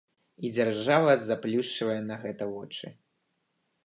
І дзяржава заплюшчвае на гэта вочы.